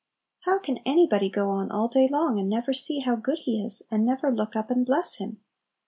How can anybody go on all day long, and never see how good He is, and never look up and bless Him?